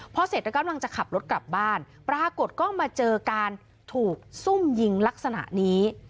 พอเสร็จแล้วกำลังจะขับรถกลับบ้านปรากฏก็มาเจอการถูกซุ่มยิงลักษณะนี้